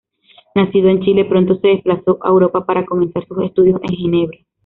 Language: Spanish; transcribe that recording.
Nacido en Chile, pronto se desplazó a Europa para comenzar sus estudios en Ginebra.